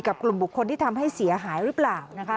กลุ่มบุคคลที่ทำให้เสียหายหรือเปล่านะคะ